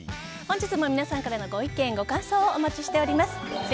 本日も皆さんからのご意見ご感想をお待ちしております。